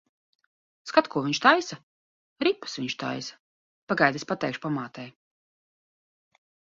Skat, ko viņš taisa! Ripas viņš taisa. Pagaidi, es pateikšu pamātei.